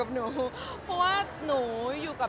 ขอมองกล้องนี้หน่อยค่ะ